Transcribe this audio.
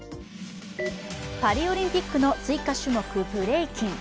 パリオリンピックの追加種目、ブレイキン。